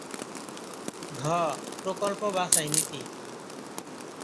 ঘ. প্রকল্প বাছাই নীতি